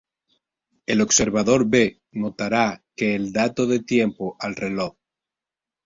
El observador B notará que el dato de tiempo al reloj.